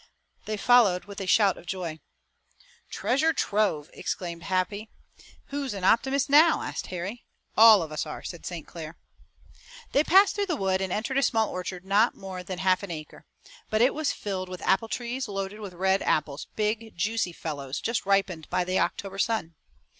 They followed with a shout of joy. "Treasure trove!" exclaimed Happy. "Who's an optimist now?" asked Harry. "All of us are," said St. Clair. They passed through the wood and entered a small orchard of not more than half an acre. But it was filled with apple trees loaded with red apples, big juicy fellows, just ripened by the October sun.